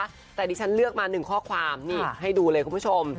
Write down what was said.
แต่ดิฉันเลือกมาหนึ่งข้อความนี่ให้ดูเลยคุณผู้ชม